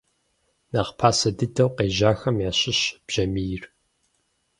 Нэхъ пасэ дыдэу къежьахэм ящыщщ бжьамийр.